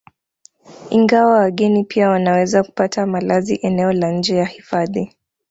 Ingawa wageni pia wanaweza kupata malazi eneo la nje ya hifadhi